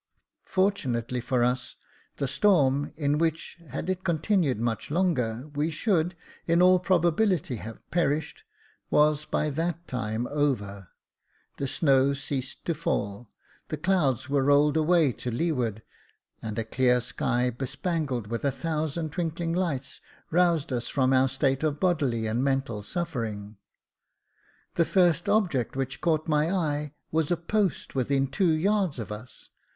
Fortunately for us, the storm, in which, had it continued much longer, we should, in all probability, have perished, was by that time over ; the snow ceased to fall ; the clouds were rolled away to leeward ; and a clear sky, bespangled with a thousand twinkling lights, roused us from our state of bodily and mental suffering. The first object which caught my eye was a post within two yards of us.